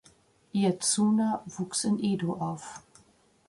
Ietsuna wuchs in Edo auf.